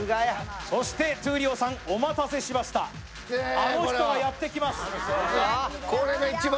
そして闘莉王さんお待たせしました、あの人がやって来ます。